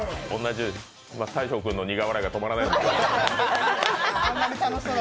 大昇君の苦笑いが止まらないんですけど。